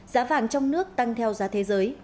giá vàng trong nước tăng theo giá thế giới